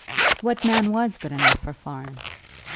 What man was good enough for Florence?